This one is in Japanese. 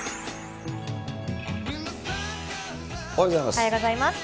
おはようございます。